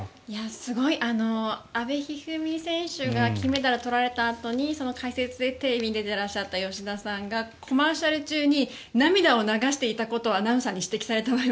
すごい阿部一二三選手が金メダルを取られたあとにその解説でテレビに出ていらっしゃった吉田さんがコマーシャル中に涙を流していたことをアナウンサーに指摘された場面を